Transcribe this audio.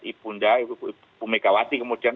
ibu md ibu megawati kemudian